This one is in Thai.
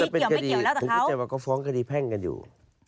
ผมคิดว่าก็ฟ้องคดีแพ่งกันอยู่